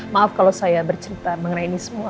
maaf kalau saya bercerita mengenai ini semua